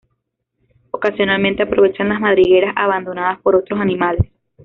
Ocasionalmente aprovechan las madrigueras abandonadas por otros animales.